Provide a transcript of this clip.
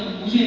ở phú xuyên